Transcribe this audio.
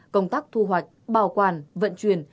công tác thu hoạch bảo quản vận chuyển